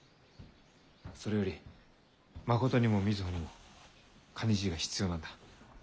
それより誠にも瑞穂にもカニ爺が必要なんだ。